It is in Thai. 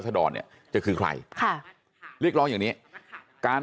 แล้วก็เลยครั้งแรกแอ่คุณทำไมเอาอ่ะ